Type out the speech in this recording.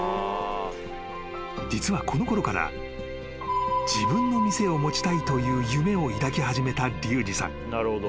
［実はこのころから自分の店を持ちたいという夢を抱き始めたリュウジさん］